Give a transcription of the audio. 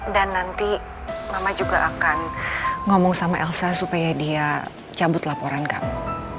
dan nanti mama juga akan ngomong sama elsa supaya dia cabut laporan kamu